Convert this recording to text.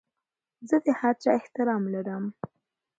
زه د هر چا احترام لرم.